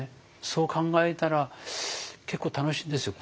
そう考えたら結構楽しいんですよ。